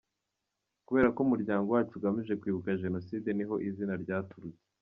Kubera ko umuryango wacu ugamije kwibuka Jenoside ni ho izina ryaturutse.